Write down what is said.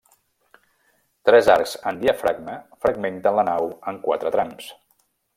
Tres arcs en diafragma fragmenten la nau en quatre trams.